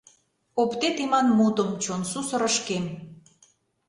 Оптет иман мутым чон сусырышкем.